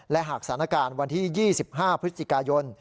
และหากสถานการณ์วันที่๒๕พฤศจิกายน